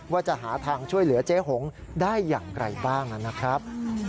ว่าจะหาทางช่วยเหลือเจ๊หงได้อย่างไรบ้างนะครับ